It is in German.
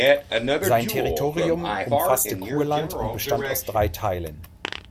Sein Territorium umfasste Kurland und bestand aus drei Teilen.